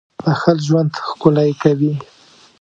• بښل ژوند ښکلی کوي.